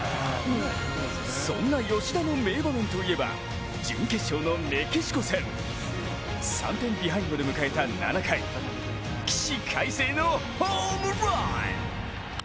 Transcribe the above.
そんな吉田の名場面といえば準決勝のメキシコ戦。３点ビハインドで迎えた７回、起死回生のホームラン！